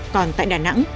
còn tại đà nẵng